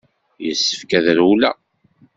Yessefk ad rewleɣ.